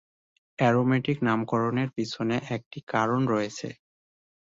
Aromatic নামকরনের পেছনে একটি কারণ রয়েছে।